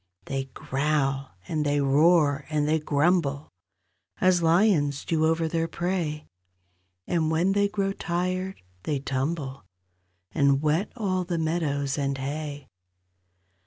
They growl, and they roar, and they grumble, As lions do over their prey, And when they grow tired they tumble And wet all the meadows and hay.